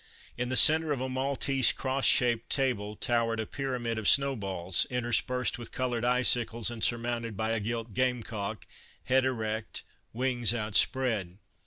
In the center of a maltese cross shaped table towered a pyramid of snow balls, interspersed with colored icicles and surmounted by a gilt game cock, head erect, wings outspread.